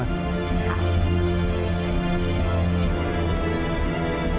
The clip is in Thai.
โอเค